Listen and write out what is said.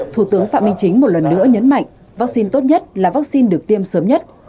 thủ tướng phạm minh chính một lần nữa nhấn mạnh vaccine tốt nhất là vaccine được tiêm sớm nhất